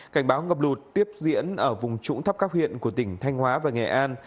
cảnh báo ngập lụt tiếp diễn ở vùng trũng thấp các huyện của tỉnh thanh hóa và nghệ an